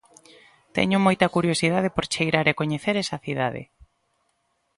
Teño moita curiosidade por cheirar e coñecer esa cidade.